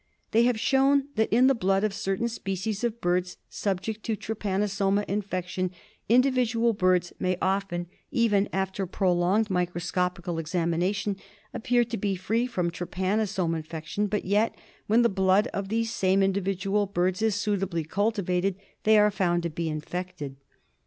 They have shown that in the blood of certain species of birds subject to trypanosoma infection, individual birds may often, even after prolonged microscopical examination, appear to be free from trypanosome infec tion, but 3^et, when the blood of these same individual birds is suitably cultivated, they are found to be infected.